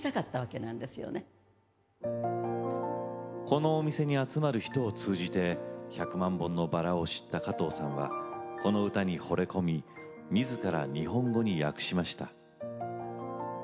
このお店に集まる人を通じて「百万本のバラ」を知った加藤さんはこの歌にほれ込みみずから日本語に訳しました。